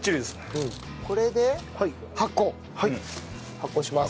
発酵します。